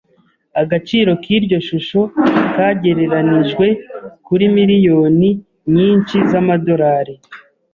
Agaciro k'iryo shusho kagereranijwe kuri miliyoni nyinshi z'amadolari.